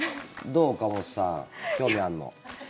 どう岡本さん、興味あるの。